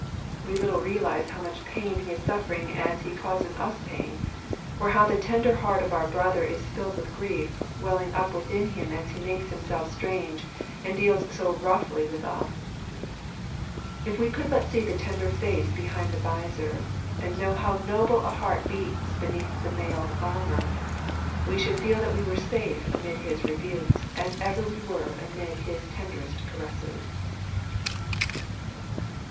We little realize how much pain He is suffering as He causes us pain ; or how the tender heart of our Brother is filled with grief, welling up within Him as He makes Himself strange, and deals so roughly with us. If we could but see the tender face behind the vizor, and know how noble a heart beats beneath the mailed armour, we should feel that we were as safe amid his rebukes as ever we were amid his tenderest caresses.